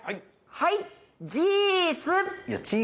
はい。